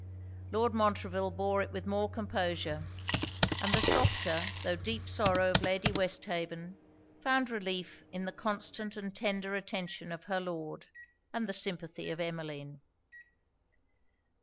Lord Montreville bore it with more composure: and the softer, tho' deep sorrow of Lady Westhaven, found relief in the constant and tender attention of her Lord, and the sympathy of Emmeline.